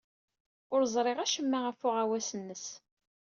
Ur ẓriɣ acemma ɣef uɣawas-nnes.